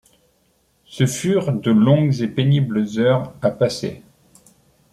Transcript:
Ce furent de longues et pénibles heures à passer